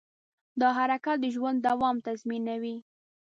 دا حرکت د ژوند دوام تضمینوي.